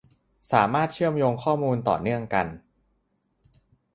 สามารถเชื่อมโยงข้อมูลต่อเนื่องกัน